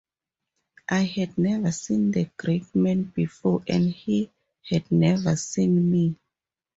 I had never seen the great man before, and he had never seen me.